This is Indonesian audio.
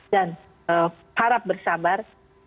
dan harap bersabar